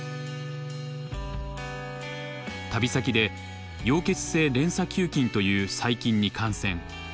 旅先で溶血性レンサ球菌という細菌に感染。